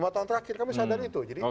dua tahun terakhir kami sadar itu